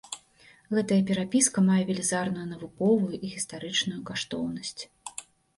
Гэтая перапіска мае велізарную навуковую і гістарычную каштоўнасць.